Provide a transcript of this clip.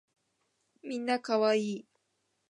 みんな可愛い